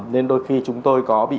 nên đôi khi chúng tôi có bị